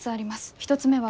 １つ目は。